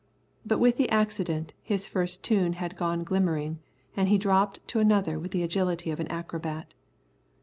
But with the accident, his first tune had gone glimmering, and he dropped to another with the agility of an acrobat.